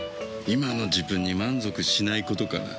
今の自分に満足しないことかな。